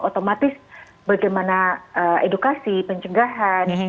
otomatis bagaimana edukasi pencegahan